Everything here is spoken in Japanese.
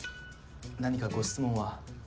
何かご質問は？